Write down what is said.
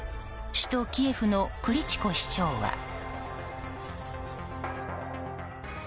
首都キエフのクリチコ市長は。